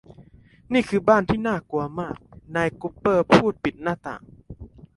นี่คือบ้านที่น่ากลัวมากนายกุปเปอร์พูดปิดหน้าต่าง